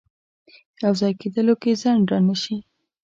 یو ځای کېدلو کې ځنډ رانه شي.